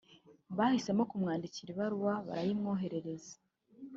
Bahisemo kumwandikira ibaruwa barayimwoherereza